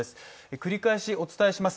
繰り返しお伝えします